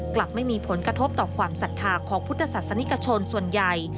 กลับไม่มีผลกระทบต่อความศรัทธาของพุทธศาสนิกชนส่วนใหญ่